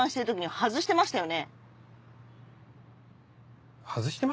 外してましたね。